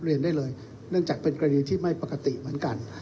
เรียนได้เลยเนื่องจากเป็นกรณีที่ไม่ปกติเหมือนกัน